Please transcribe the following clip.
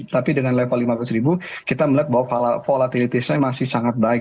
tapi dengan level lima belas kita melihat bahwa volatilitasnya masih sangat baik